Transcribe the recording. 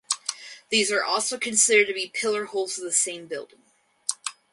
These are also considered to be pillar holes of the same building.